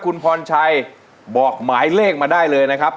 คุณพรชัยบอกหมายเลขมาได้เลยนะครับ